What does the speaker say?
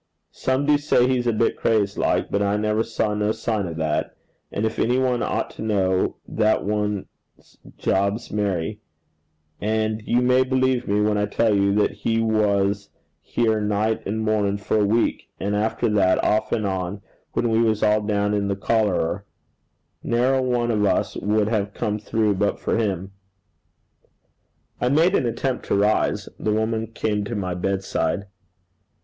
Some do say he's a bit crazed like; but I never saw no sign o' that; and if any one ought to know, that one's Job's Mary; and you may believe me when I tell you that he was here night an' mornin' for a week, and after that off and on, when we was all down in the cholerer. Ne'er a one of us would ha' come through but for him.' I made an attempt to rise. The woman came to my bedside.